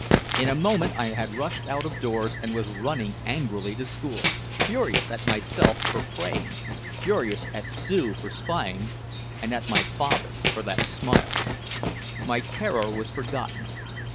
In a moment I had rushed out of doors and was running angrily to school, furious at myself for praying, furious at Sue for spying and at my father for that smile. My terror was forgotten.